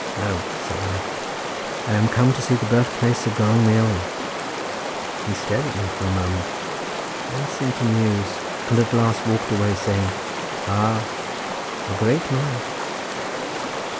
"No," said I; "I am come to see the birth place of Gronwy Owen;" he stared at me for a moment, then seemed to muse, and at last walked away saying "Ah! a great man."